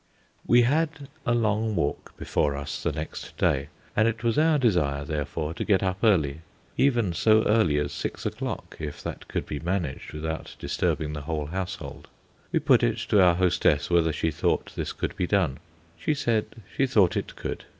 We had a long walk before us the next day, and it was our desire, therefore, to get up early, even so early as six o'clock, if that could be managed without disturbing the whole household. We put it to our hostess whether she thought this could be done. She said she thought it could.